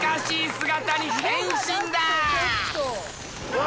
うわ！